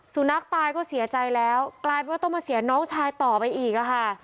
สุนัขตายก็เสียใจแล้วกลายเป็นว่าต้องมาเสียน้องชายต่อไปอีกอะค่ะ